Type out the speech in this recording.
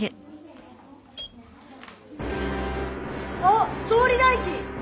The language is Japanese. あっ総理大臣。